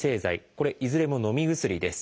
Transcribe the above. これいずれものみ薬です。